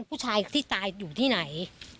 ผู้ชายที่ตายอยู่ที่ไหน